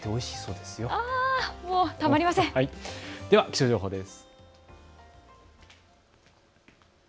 では気象情報です。